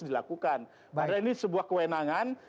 dilakukan padahal ini sebuah kewenangan